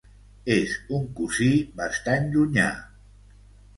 És un cosí bastant llunyà.